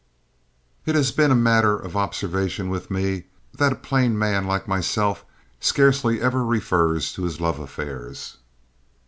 It has been a matter of observation with me that a plain man like myself scarcely ever refers to his love affairs.